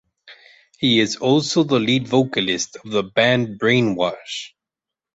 He is also the lead vocalist of the band Brainwash.